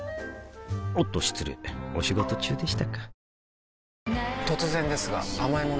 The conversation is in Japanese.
おっと失礼お仕事中でしたか